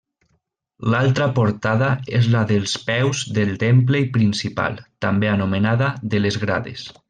L'altra portada és la dels peus del temple i principal, també anomenada de les grades.